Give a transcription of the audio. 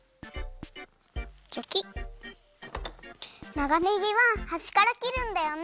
長ねぎははしからきるんだよね。